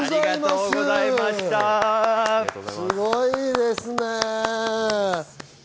すごいですね。